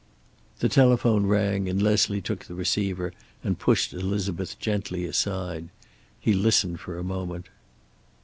The telephone rang and Leslie took the receiver and pushed Elizabeth gently aside. He listened for a moment.